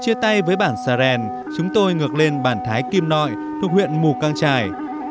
chia tay với bản sà rèn chúng tôi ngược lên bản thái kim noi thuộc huyện mù cang trải